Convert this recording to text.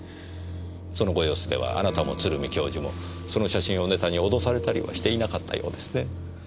そのご様子ではあなたも鶴見教授もその写真をネタに脅されたりはしていなかったようですね。